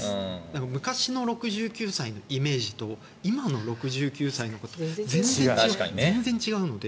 昔の６９歳のイメージと今の６９歳の方って全然違うので。